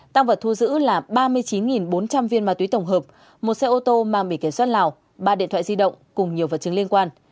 tăng vật thu giữ là ba mươi chín bốn trăm linh viên ma túy tổng hợp một xe ô tô mang bỉ kiểm soát lào ba điện thoại di động cùng nhiều vật chứng liên quan